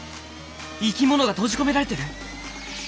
生きものが閉じ込められてる！？